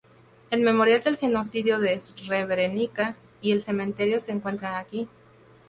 El "Memorial del genocidio de Srebrenica" y el cementerio se encuentran aquí.